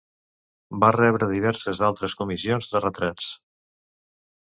Va rebre diverses altres comissions de retrats.